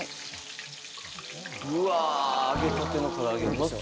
うわあ揚げたてのから揚げうまそう。